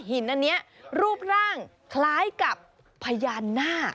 หินนี้รูปร่างคล้ายกับพยานหน้า